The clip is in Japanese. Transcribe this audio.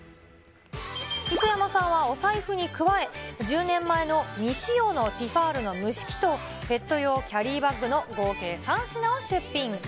磯山さんはお財布に加え、１０年前の未使用のティファールの蒸し器と、ペット用キャリーバッグの合計３品を出品。